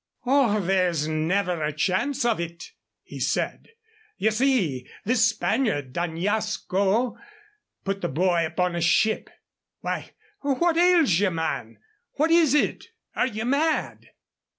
"Oh, there's never a chance of it," he said. "You see, this Spaniard, D'Añasco, put the boy upon a ship. Why, what ails ye, man? What is it? Are ye mad?"